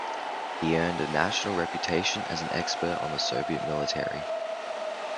He earned a national reputation as an expert on the Soviet military.